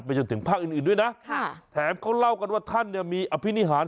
จนถึงภาคอื่นด้วยนะแถมเขาเล่ากันว่าท่านเนี่ยมีอภินิหาร